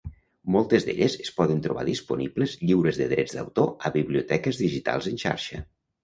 Moltes d'elles es poden trobar disponibles lliures de drets d'autor a biblioteques digitals en xarxa.